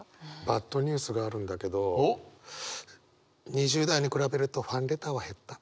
バッドニュースがあるんだけど２０代に比べるとファンレターは減った。